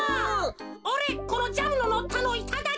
おれこのジャムののったのいただき！